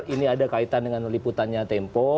ini ada kaitan dengan liputannya tempo